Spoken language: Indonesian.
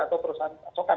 atau perusahaan pasokan